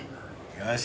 よし。